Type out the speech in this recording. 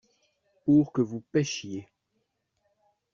Pour que vous pêchiez.